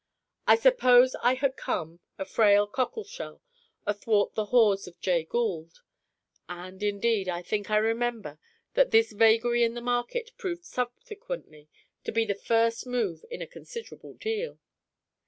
I suppose I had come (a frail cockle shell) athwart the hawse of Jay Gould; and, indeed, I think I remember that this vagary in the market proved subsequently to be the first move in a considerable deal.